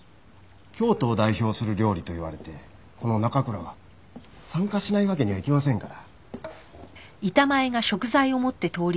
京都を代表する料理と言われてこの奈可倉が参加しないわけにはいきませんから。